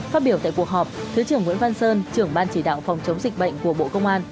phát biểu tại cuộc họp thứ trưởng nguyễn văn sơn trưởng ban chỉ đạo phòng chống dịch bệnh của bộ công an